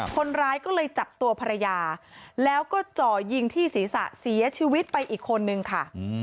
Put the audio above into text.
คนร้ายก็เลยจับตัวภรรยาแล้วก็จ่อยิงที่ศีรษะเสียชีวิตไปอีกคนนึงค่ะ